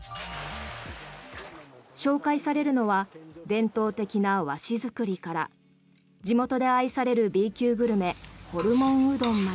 紹介されるのは伝統的な和紙作りから地元で愛されるＢ級グルメホルモンうどんまで。